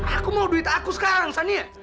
aku mau duit aku sekarang sania